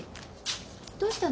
どうしたの？